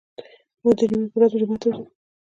موږ د جمعې په ورځ جومات ته ځو.